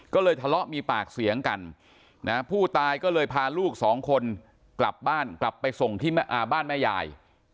ก็เลยทะเลาะมีปากเสียงกันผู้ตายก็เลยพาลูกสองคนกลับบ้านกลับไปส่งที่บ้านแม่ยาย